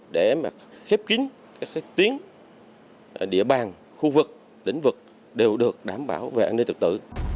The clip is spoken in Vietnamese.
để khép kín các tuyến địa bàn khu vực lĩnh vực đều được đảm bảo về an ninh trật tự